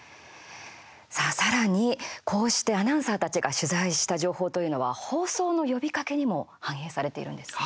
さらに、こうしてアナウンサーたちが取材した情報というのは放送の呼びかけにも反映されているんですね。